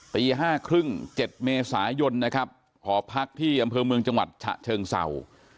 ปี๕๓๐เจ็ดเมษายนพอพักที่อำเภอเมืองจังหวัดเชิงเศร้า